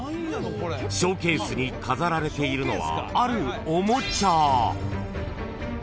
［ショーケースに飾られているのはある］